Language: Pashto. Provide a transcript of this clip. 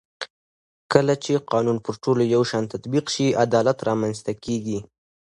کله چې قانون پر ټولو یو شان تطبیق شي عدالت رامنځته کېږي